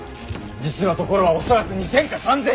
実のところは恐らく２，０００か３，０００。